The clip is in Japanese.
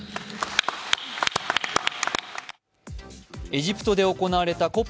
エジプトで行われたＣＯＰ